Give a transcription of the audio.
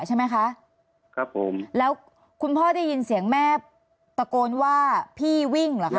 ใช่ไหมคะครับผมแล้วคุณพ่อได้ยินเสียงแม่ตะโกนว่าพี่วิ่งเหรอคะ